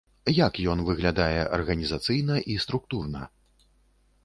Як ён выглядае арганізацыйна і структурна?